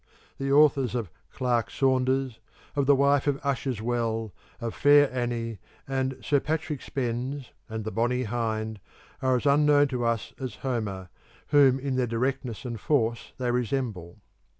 The authors of 'Clerk Saunders,' of 'The Wife of Usher's Well,' of 'Fair Annie,' and 'Sir Patrick Spens,' and 'The Bonny Hind,' are as unknown to us as Homer, whom in their directness and force they resemble.